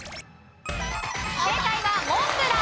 正解はモンブラン。